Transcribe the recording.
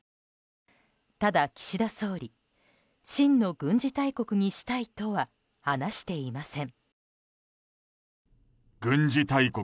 ただ、岸田総理真の軍事大国にしたいとは話していません。